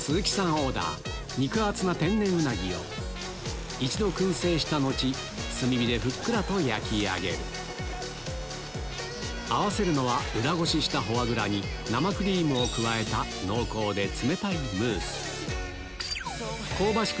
オーダー肉厚な一度薫製した後炭火でふっくらと焼き上げる合わせるのは裏ごししたフォアグラに生クリームを加えた濃厚で冷たい香ばしく